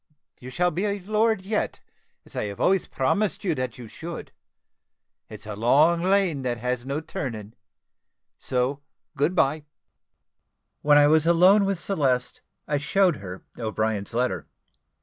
You shall be a lord yet, as I always promised you that you should. It's a long lane that has no turning so good bye." When I was alone with Celeste, I showed her O'Brien's letter.